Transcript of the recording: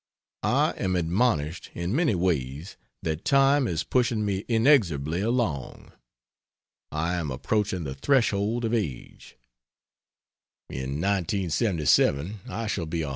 I am admonished in many ways that time is pushing me inexorably along. I am approaching the threshold of age; in 1977 I shall be 142.